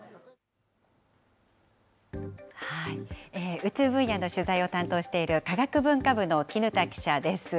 宇宙分野の取材を担当している科学文化部の絹田記者です。